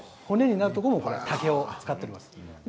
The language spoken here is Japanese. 骨になるところを竹を使っています。